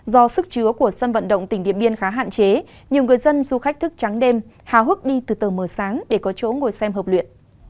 do sức chứa của sân vận động tỉnh điện biên khá hạn chế nhiều người dân du khách thức trắng đêm hào hức đi từ tờ mờ sáng để có chỗ ngồi xem hợp luyện